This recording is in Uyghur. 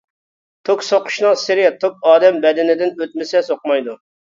توك سوقۇشنىڭ سىرى توك ئادەم بەدىنىدىن ئۆتمىسە سوقمايدۇ.